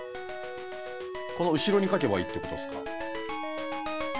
この後ろに書けばいいってことすか？